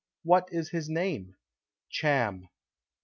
What is his name?" "Cham."